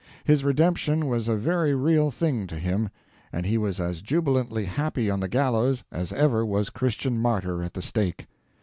His redemption was a very real thing to him, and he was as jubilantly happy on the gallows as ever was Christian martyr at the stake.